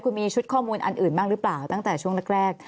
คุณมีชุดข้อมูลอันอื่นบ้างหรือเปล่าตั้งแต่ช่วงแรก